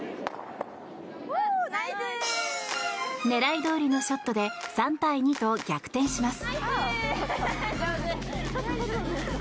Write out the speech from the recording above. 狙いどおりのショットで３対２と逆転します。